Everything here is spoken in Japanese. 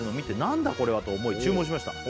「何だこれはと思い注文しました」